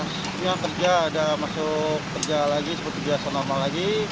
sebelumnya kerja ada masuk kerja lagi seperti biasa normal lagi